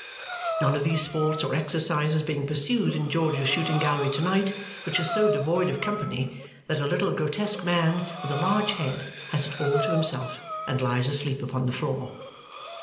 None of these sports or exercises being pursued in George's Shooting Gallery to night, which is so devoid of company that a little grotesque man with a large head has it all to himself and lies asleep upon the floor.